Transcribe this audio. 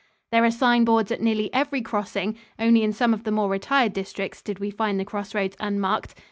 There are sign boards at nearly every crossing; only in some of the more retired districts did we find the crossroads unmarked.